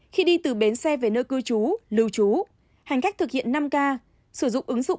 khi đi từ bến xe về nơi cư trú lưu trú hành khách thực hiện năm k sử dụng ứng dụng